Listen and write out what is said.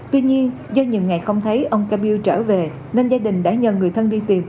tuy nhiên do nhiều ngày không thấy ông ca biêu trở về nên gia đình đã nhờ người thân đi tìm